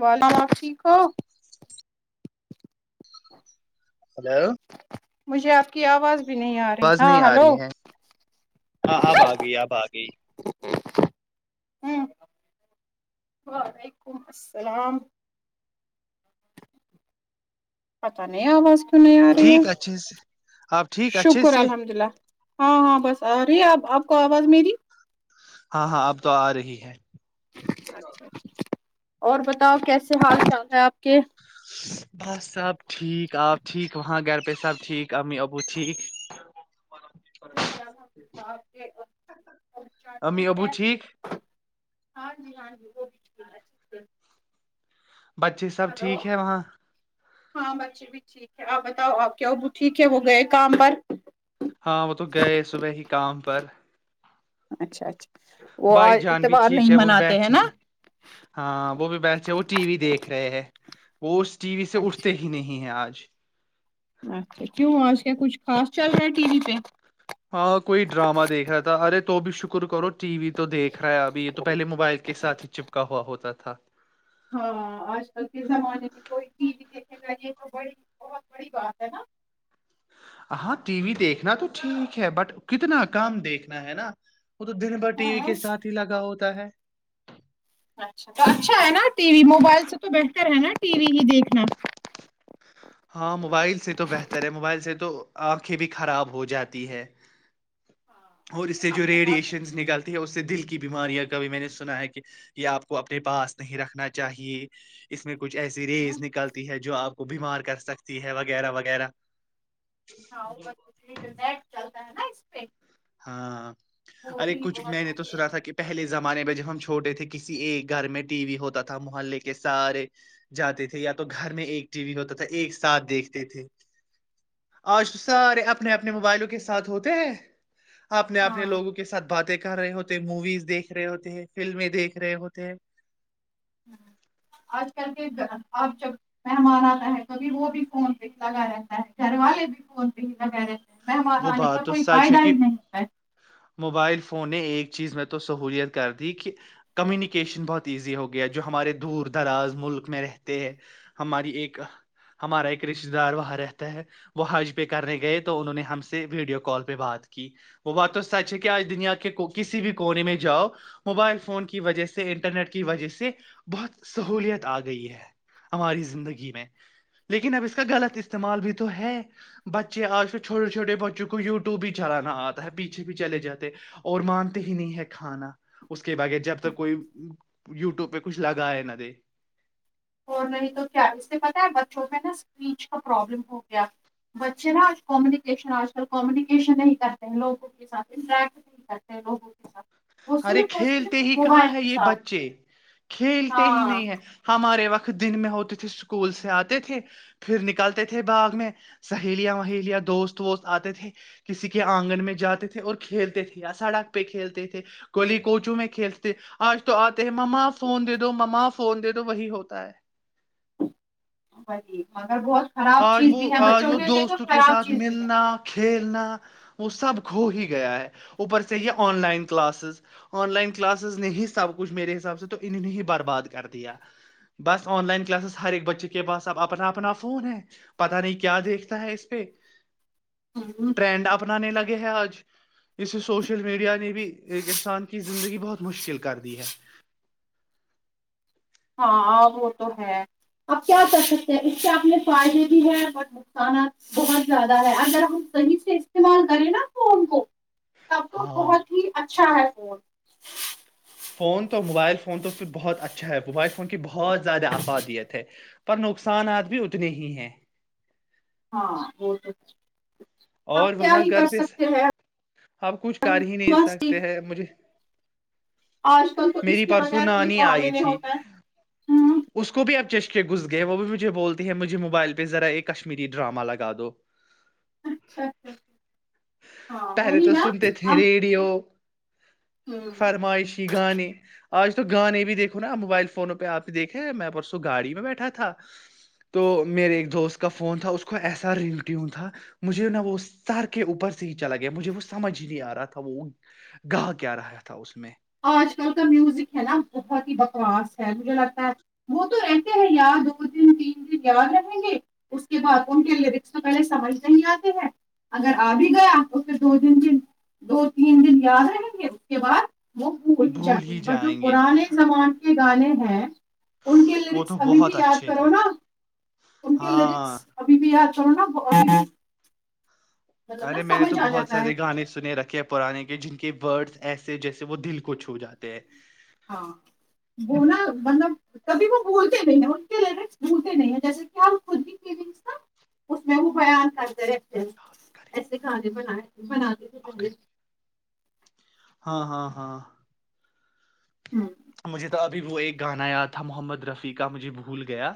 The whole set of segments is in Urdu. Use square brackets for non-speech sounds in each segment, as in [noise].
والافی [unintelligible] [inaudible] ہیلو مجھے آپ کی آواز بھی نہیں آ رہی باز نہیں ہاں آ ہلو رہی ہے ہاں اب آ گئی اب آ گئی ہ وعلیکم السلام پتا نہیں آواز سنے آ رہی ہے ٹھیک اچھے سے [unintelligible] آپ ٹھیک اچھے شکر سے الحمد للہ [unintelligible] ہاں ہاں بس آ رہی ہے آپ آپ کو آواز میری ہاں ہاں اب تو آ رہی ہے اچھا اچھا اچھا اور بتاؤ کیسے حال چال ہے آپ کے بس سب ٹھیک آپ ٹھیک وہاں گھر پہ سب ٹھیک امی ابو ٹھیک شکر الحمد للہ۔ آپ کے امی ابو ٹھیک ہاں جی ہاں جی وہ بھی ھ بچے سب ٹھیک ہے وہاں مچی بھی ٹھیک ہے آپ بتاؤ آپ کیا ٹھیک ہے وہ گئے کام پر ہاں وہ تو گئے صبح ہی کام پر اچھا اچھا وہ بھائی آج جان بھی اتوار ٹھیک نہیں ہے وہ بھی مناتے ہیں بیٹھ نا ہاں وہ بھی بیٹھ وہ ٹی وی دیکھ رہے ہیں وہ [inaudible] ٹی وی سے اٹھتے ہی نہیں ہیں آج جی [unintelligible] اچھا کیوں آج کیا کچھ خاص چل رہا ہے ٹی وی پہ ہاں کوئی ڈراما دیکھ رہا تھا ارے تو بھی شکر کرو ٹی وی تو دیکھ رہا ہے ابھی یہ تو پہے موبائل کے ساتھ ہی چپکا ہوا ہوتا تھا تھاھ [inaudible] ہاں آج کل کے زمانے میں کوئی ٹی وی دیکھے گا یہ تو بڑی بہت بڑی بات ہے نا ہاں ٹی وی دیکھنا تو ٹھیک ہے بٹ کتنا کام دیکھنا ہے نا وہ تو دن بھر ٹی وی ہاں کے سھ ہی لگاؤ ہے [unintelligible] اچ اچھا ہے نا ٹی وی موبائل سے تو بہتر ہے نا ٹی وی ہی دیکھنا ہاں موبائل سے تو بہتر ہے موبائل سے تو آنکھیں بھی خراب ہو جاتی ہے اور اس سے جو اپنے پاس ریڈیشن ایکسس نکالتی ہے اس سے دل کی بیماریا کبھی میں نے سنا ہے کہ یہ آپ کو اپنے پاس نہیں رکھنا چاہیے اس میں کچھ ایسی ریز ہاں نکلتی ہے جو آپ کو بیمار کر سکتی ہے وغیرہ وغیرہ ہاںو نیٹ چلتا ہے نا ایکچ ہاں ارے کچھ بہت میں نے تو نا یہ سنا تھا کہ پہلے زمانے میں جب ہم چ چھوٹے تھے کسی ایک گھر میں ٹی وی ہوتا تھا محلے کے سارے جاتے تھے یا تو گھر میں ایک ٹی وی ہوتا تھا ایک ساتھ دیکھتے تھے آج تو سارے اپنے اپنے موبائلوں کے ساتھ ہوتے ہیں اپنے اپنے ہاں لوگوں کے ساتھ باتیں کر رہے ہوتے ہیں موویز دیکھ رہے ہوتے ہیں فلمیں دیکھ رہے ہوتے ہیں ہ آج کل کے اب جب مہمان آتا ہے توبھی وہ بھی فون پہ ہی لگا رہتا ہے گھر والے بھی فون پہ ہی لگا رہتے ممار وہ آنے کا بات تو کوئی سچ ہے فائدہ کہ ہی نہیں ہے موبائل فون نے ایک چیز میں تو سہولیت کر دی کہ کمیونیکیشن بہت ایزی ہو گیا جو ہمارے دور دراز ملک میں رہتے ہے ہماری ایک ہمارا ایک رشتہ دار وہاں رہتا ہے وہ حج پہ کرنے گئے تو انہوں نے ہم سے ویڈیو کال پہ بات کی وہ بات تو سچ ہے کہ آج دنیا کے کسی بھی کونے میں جاؤ موبائل فون کی وجہ سے انٹرنیٹ کی وجہ سے بہت سہولیت آ گئی ہے ہماری زندگی میں لیکن اب اس کا غلط استعمال بھی تو ہے بچے آج تو چھوٹے چھوٹے بچوں کو یوٹیوب ہی چلانا آتا ہے پیچھے بھی چلے جاتے اور مانتے ہی نہیں ہے کھانا اس کے باغ جب تک کوئی یوٹیوب پہ کچھ لگاائے نہ دے اور نہیں تو کیا اس سے پتاہ ہے بچوں پہ نا اسپیچ کا پروابلم ہو گیا بچے نا آج کومیونیکیشن آج کل کومیونکیشن نہیں کرتے ہیں لوگوں کے ساتھ انٹریکٹ نہیں کرتے ہیں لوگوں کے ساتھ وہ ارے صرف اور صرف کھیلتے ہی کہاں موبائل ہے کے یہ ساتھ بچے کھیلتے ہی ہاں نہیں ہیں ہمارے وقت دن میں ہوتے تھے اسکول سے آتے تھے پھر نکلتے تھے باغ میں سہیلیاں وہیلیاں دوست وست آتے تھے کسی کے آنگن میں جاتے تھے اور کھیلتے تھے یا سڑک پہ کھیلتے تھے گلی کوچو میں کھیلتے آج تو آتے ہیں مما فون دے دو مما فون دے دو وہی ہوتا ہے [inaudible] اگر بہت خراب آج چیز وہ بھی ہے آج بچوں وہ کے لیے تو خراب چیز بھی ہے نا وہ سب کھو ہی گیا ہے اوپر سے یہ online classes online classes نے ہی سب کچھ میرے حساب سے تو انہ نے ہی برباد کر دیا بس آن لائن کلاسز ہر ایک بچے کے پاس اب اپنا اپنا فون ہے پتا نہیں کیا دیکھتا ہے اس پہ ہے ہوں ٹرنڈ اپنا نہیں لگتا ہے آج اسے سوشل میڈیا نے بھی ایک انسان کی زندگی بہت مشکل کر دی ہے ہاں وہ تو ہے اب کیا کر سکتے ہیں اس کے اپنے فائدے بھی ہیں بٹ نقصانات بہت زیادہ ہے اگر ہم صحیح سے استعمال کریں نا فون کو سب تو ہاں بہت ہی اچھا ہے کو فون تو موبائل فون تو پھر بہت اچھا ہے موبائل فون کی بہت بہت زیادہ افاہادیت ہے پر نقصانات بھی اتنے ہی ہیں ہاں وہ توچ اور وہاں گ پ ہیں آپ کچھ کر ہی نہیں بس سکتے ہیں مجھے آج کل تو اس میری کے پرسوں بغیر کوئی نانی کام آئی ہی نہیں تھی ہوتا ہے اس کو بھی اپ چشٹے گھس گئے وہ بھی بولتے ہیں مجھے موبائل پہ ذرا ایک کشمیری ڈراما لگا دو اچھا اچھا ہاں پہلے وہی تو نا سنتے تھے اب ریڈیو فرمائشی گانے آج تو گانے بھی دیکھو نا موبائل فونوں پہ آپ ہی دیکھے میں پرسوں گاڑی میں بیٹھا تھا تو میرے ایک دوست کا فون تھا اس کو ایسا رگ ٹیون تھا مجھے نہا وہ سر کے اوپر سے ہی چلا گیا مجھے وہ سمجھ ہی نہیں آ رہا تھا وہ گاہ کیا رہا تھا اس میں آج کل کا میوزک ہے نا بہت ہی بکواس ہے مجھے لگتا ہے وہ تو رہتے ہیں یاار دو دن تین دن یاد رہیں گے اس کے بعد ان کے لیرکس تو پہلے سمجھ نہیں آتے ہیں اگر آ بھی گیا اسے دو د د دو تین دن یاد رہیں گے اس کے بعد وہ بھول ہی جاتے ہیں پر جو پرانے زمان یہ گانے ہیں ان کے وہ لیرکس تو ابھی بھی بہت یاد اچھے کرو تھے نا ان کے لیرکس ہاں ابھی بھی یاد [inaudible] مطلب نا ارے میں نے تو سمجھ آ بہت جاتا ہے سارے کہ گانے سنے رکھے پرانے کے جن کے ورڈس ایسے جیسے وہ دل کو چھو جاتے ہیں ہاں وہ ن مطلب کبھی وہ بولتے نہیں ہیں اس کے لیے بھولتے نہیں ہیں جیسے کہ خود بھی فیل تھا اس میں وہ بیان کرتے رہتے ہیں ایسے کھانے بنائے بنا دی تھے پہلے ہاں ہاں ہاں ہمم مجھے تو ابھی وہ ایک گانا یاد تھا محمد رفیع کا مجھے بھول گیا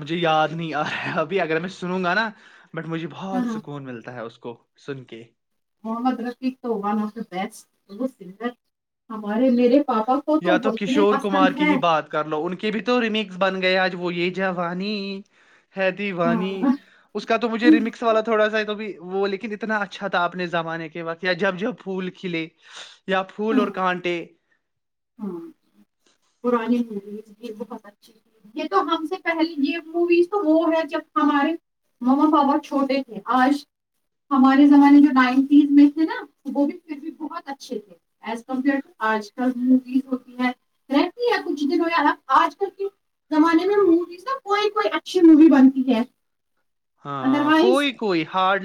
مجھے یاد نہیں آ رہا ابھی اگر میں سنوں گا نا بٹ مجھے بہت ہاں سکون ملتا ہے اس کو کو سن کے محمد رفیق تو ون آف دا بیسٹ وہ سن ہمارے میرے پاپا کو یا تو وہ اتنے کشور کمار پسند کی ہے ہی بات کر لو ان کی بھی تو رمی کے بن گئے آج وہ یہ جوانی ہیتی ہاں وانی ہاں اس کا تو مجھے ریمکس والا تھوڑا سا تو بھی وہ لیکن اتنا اچھا تھا اپنے زمانے کے وقت یا جب جب پھول کھلے یا پھول اور کانٹے ہاں پرانی موویز یہ بہت اچھی تھی یہ تو ہم سے پہلے یہ موویز تو وہ ہے جب ہمارے ما بابا چھوٹے تھے آج ہمارے زمانے جو نائنٹیز میں تھے نا وہ بھی پھر بھی بہت اچھے تھے ایز کمپیئرٹو آج کا ہوتی رہتی ہے کچھ دن ہویا آج کل کے زمانے میں مویز کوئی کوئی ایکشن مووی بنتی ہے ادر ہاں وائز کوئی کوئی ہارڈ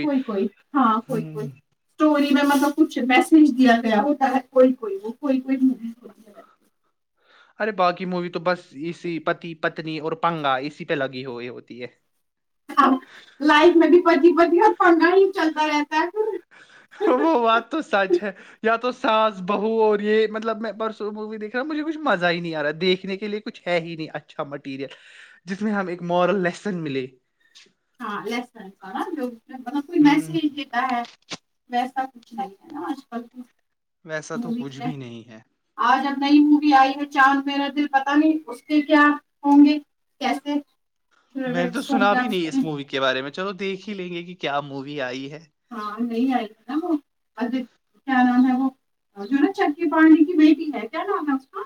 کوئی کوئی ہاں کوئی کوئی اسٹور مطلب کچھ میسج دیا گیا ہوتا ہے کوئی کوئی وہ کوئی کوئی می ارے باقی مووی تو بس اسی پتی پتنی اور پنگا اسی پہ لگی ہوئی ہوتی ہے ہ لائف میں بھی بچی بی ہو پڑھنا ہی چلتا رہتا ہے وہ بات تو سچ ہے یا تو ساس بہو اور یہ مطلب میں پرسوں مووی دیکھ رہا ہوں مجھے کچھ مزہ ہی نہیں آ رہا دیکھنے کے لیے کچھ ہے ہی نہیں اچھا مٹیریل جس میں ہم ایک مورل لیسن ملے [inaudible] مطلب کوئی ہوں میسج دیتا ہے ویسا کچھ نہیں ہے نا آج کل تو ویسا تو کچھ بھی نہیں ہے آج اب نئی مووی آئی ہے چاند میرا دل پتا نہیں اس سے کیا ہوں گے کیسے میں نے تو ہوں گے سناب بھی ن آپ اس میں مووی کے بارے میں چلو دیکھ ہی لیں گے کہ کیا موی آئی ہے ہاں نہیں آئی ہے نا وہ اج کیا نام ہے وہ جو نا چکی پڑنے کی بیٹی ہے کیا نام ہے اس کا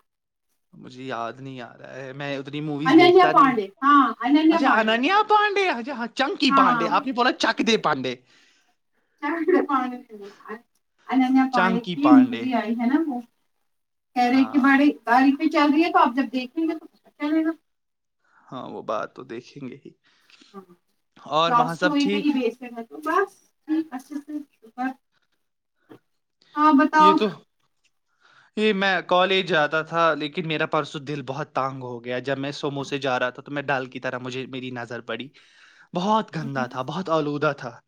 مجھے یاد نہیں آ رہا ہے میں اتنی موویز اننیا دیکھتا نہیں پانڈے ہاں اچھا ہ [unintelligible] ہاںانی پانی چانکی کی پانڈے می آئی ہے نا م [unintelligible] کیر کی ہاں باڑے آ [unintelligible] پ چل رہی ہے تو آپ جب دیکھیں گے تو چلے گا ہاں وہ بات تو دیکھیں گے ہی ہاں اور لاست وہاں تو سب وہی پہ ہی ٹھیک بھیجتے م بس ٹھیک اچھ بس [unintelligible] ہاں بتاؤ یہ تو یہ میں کالج جاتا تھا لیکن میرا پرسوں دل بہت تانگ ہو گیا جب میں سومو سے جا رہا تھا تو میں ڈال کی طرح مجھے میری نظر پڑی بہت گندا تھا بہت آلودہ تھا تھا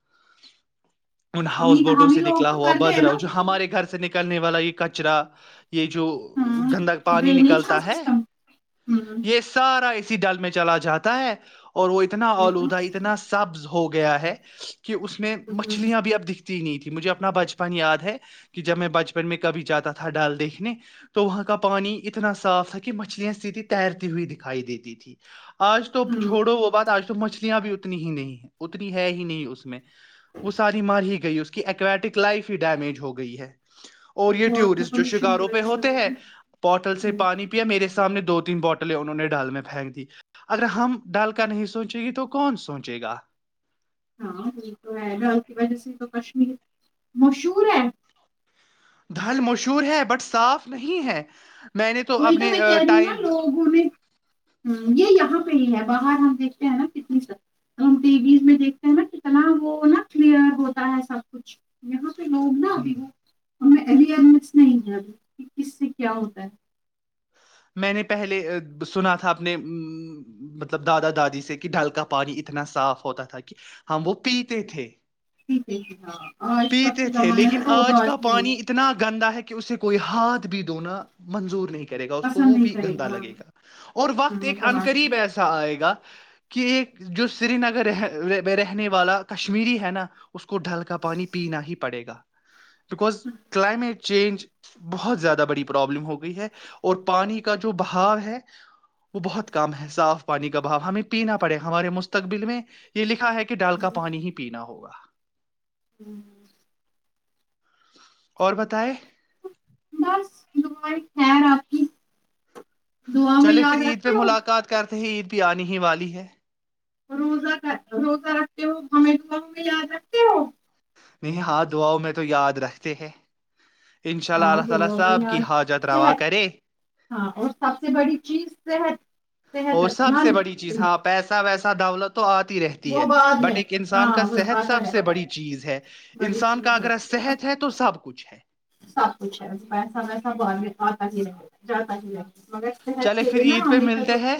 ان ہم ہی ہاؤس بوٹوں ہم ہی سے لوگ نکلا تو ہوا کر دے بد ہیں نا رہاؤ اس جو کو ہمارے سے نکلنے والا یہ کچرا یہ یہ جو گندا پانی ڈرینیج کا نکلتا ہے سسٹم یہ سارا اس ڈھل میں چلا جاتا ہے اور وہ اتنا آلودہ اتنا سبز ہو گیا ہے کہ اس میں مچھلیاں بھی اب دکھ نہیں تھی مجھے اپنا بچپن یاد ہے کہ کہ جب میں بچپن میں کبھی جاتا تھا ڈال دیکھنے تو وہاں کا پانی اتنا صاف تھا کہ مچھلیاں سھی تیرتی ہوئی دکھائی دیتی تھی اج تو چھوڑو وہ بات اج تو مچھلیاں بھی اتنی ہی نہیں ہے اتنی ہے ہی نہیں اس میں وہ ساری مار ہی گئی اس کی ایککویٹک لائف ہی ڈیمیج ہو گئی ہے اور یہ واٹر ٹیورسٹ جو پولوشن کی شکاروں پہ وجہ سے ہوتے ہیں بوٹل سے پانی پیا میرے سامنے دو تین بوٹلیں انہوں نے ڈال میں پھینک دی اگر ہم ڈال کا نہیں سوچے گی تو کون سوچے گا ہاں وہ تو ہے ڈر کی وجہ سے تو کشمیر مشہور ہے دھل مشہور ہے بٹ صاف نہیں ہے میں نے وہی تو اپنے میں کہہ رہی ہوں نا ٹائم لوگوں نے ہ یہ یہاں پہ ہی ہے باہر ہم دیکھتے ہیں نا کتنی ہم ٹی ویز میں دیکھتے ہیں نا کتنا وہ نا کلیئر ہوتا ہے سب کچھ یہاں پہ لوگ نا ہوں ابھی وہ ہمیں اوئیرنیس نہیں ہے ابھی کہ کس سے کیا ہوتا ہے میں نے پہلے سنا تھا اپنے مطلب دادا دادی سے کہ ڈھل کا پانی اتنا صاف ہوتا تھا کہ ہم وہ پیتے تھے ٹھیک ہے کہ ہاں آج کل [unintelligible] کے زمانے میں تو وہ بات ہی نہیں دنا منظور نہیں کر وہ پسند نہیں بھی کرے گندا لگے گا اور وقت ہاں ایک کمانا انقریب ایسا آئے گا کہ ایک جو سری نگر رہ رہنے والا کشمیری ہے نا اس کو ڈھل کا پانی پینا ہی پڑے گا بکاز کلائمیٹ چینج بہت زیادہ بڑی پرابلم ہو گئی ہے اور پانی کا جو بھاؤ ہے وہ بہت کم ہے صاف پانی کا با ہمیں پینا پڑے ہمارے مستقبل میں یہ لکھ ہے کہ ڈال کا پانی ہی پینا ہوگا ہوں ہ [unintelligible] اور بتائےیں بس دبائی خیر آپ کی دعا میں چلے پھر یاد عید پہ رکھتی ہو ملاقات کرتے عید بھی آنے ہی والی ہے روزہ کا روزہ رکھتے ہو ہمیں تو آؤ گے یاد رکھتے ہو نہیں ہاتھ دعاؤ میں تو یاد رکھتے ہیں ان شاء اللہ اللہ تعالی صاحب کی ہاں حاجت روا صحت کرے ہاں اور سب سے بڑی چیز صحت صحت اور سب سے مند بڑی چیز ہاں پیسا ویسا سا داوولت تو آتی رہتی وہ ہے بعد بٹ میں ایک انسان ہاں کا وہ صحت آتا سب سے رہتا ہے بڑی چیز ہے بڑی انسان کا چیز اگر ہوتی نا صحت ہے تو سب کچھ ہے ت جی ج جاتا ج چلے پھر عید پہ ملتے ہے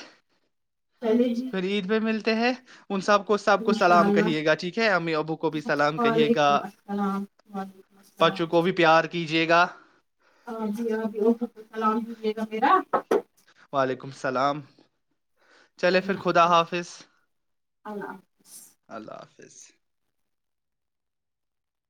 پہلے جی پھر عید پہ ملتے ہیں ان سحب کو اس سحب کو انشاء سلام کہیے اللہ گا ٹھیک ہے امی ابو کو بھی سلام کہیے گا وعلیکم السلام وعلیکم بچوں کو بھی پیار کیجیے گا [unintelligible] ہاں جی ہاں جیم ال سلام کیجیے گا میرا وعلیکم السلام [unintelligible] چلے پھر خدا حافظ اللہ اللہ حافظ بس [unintelligible]